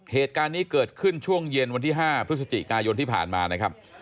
เหตุการณ์นี้เกิดขึ้นช่วงเย็นวันที่๕พฤศจิกายนที่ผ่านมานะครับ